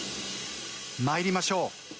まいりましょう。